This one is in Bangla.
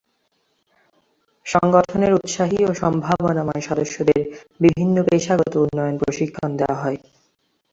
সংগঠনের উৎসাহী ও সম্ভাবনাময় সদস্যদের বিভিন্ন পেশাগত উন্নয়ন প্রশিক্ষণ দেয়া হয়।